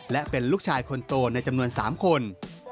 และเป็นลูกชายคนโตในจำนวน๓คน